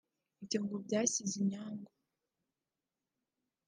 Ibyo ngo byasize inyagwa